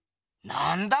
なんだ？